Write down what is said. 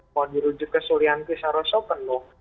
mau dirujuk ke sulianti saroso penuh